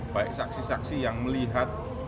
baik saksi saksi yang melihat